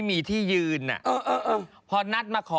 สิวพดเหรอ